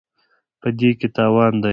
په دې کې تاوان دی.